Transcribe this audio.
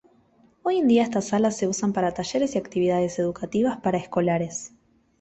Hoy en día estas salas se usan para talleres y actividades educativas para escolares.